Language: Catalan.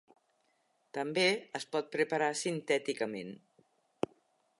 També es pot preparar sintèticament.